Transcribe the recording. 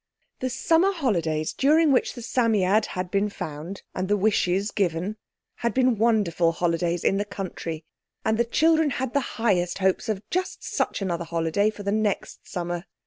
The summer holidays during which the Psammead had been found and the wishes given had been wonderful holidays in the country, and the children had the highest hopes of just such another holiday for the next summer.